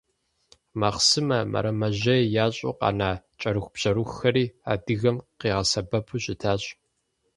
Махъсымэ, мэрэмэжьей ящӀу къэна кӀэрыхубжьэрыхухэри адыгэм къигъэсэбэпу щытащ.